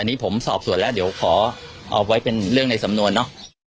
อันนี้ผมสอบส่วนแล้วเดี๋ยวขอเอาไว้เป็นเรื่องในสำนวนเนาะ